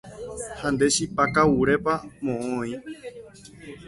Ha nde chipa kavurépa moõ oĩ.